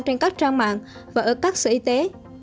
trên các trang mạng và ở các sở y tế